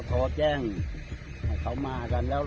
โทรแจ้งให้เขามากันแล้ว